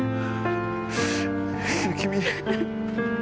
雪美。